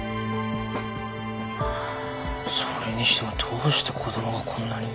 それにしてもどうして子供がこんなに。